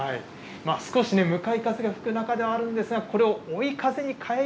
少し向かい風が吹く中ではあるんですが、これを追い風に変え